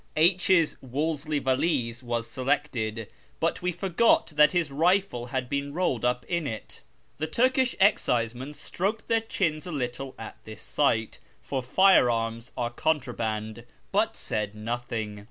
H 's Wolseley valise Avas selected ; but we forgot that his rifle had been rolled up in it. The Turkish excisemen stroked their chins a little at this sight (for fire arms are contraband), but said nothing.